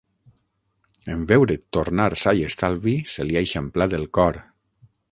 En veure't tornar sa i estalvi se li ha eixamplat el cor!